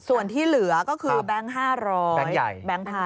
ส่วนที่เหลือก็คือแบงค์๕๐๐แบงค์พัน